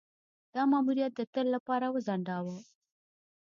دا ماموریت د تل لپاره وځنډاوه.